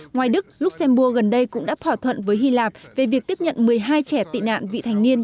ngoài đức luxembourg gần đây cũng đã thỏa thuận với hy lạp về việc tiếp nhận một mươi hai trẻ tị nạn vị thành niên